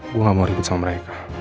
gue gak mau ribut sama mereka